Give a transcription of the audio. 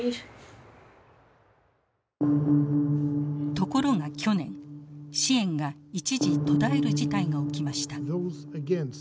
ところが去年支援が一時途絶える事態が起きました。